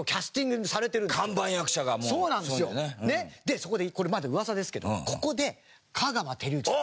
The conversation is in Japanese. そこでこれまだ噂ですけどここで香川照之さん。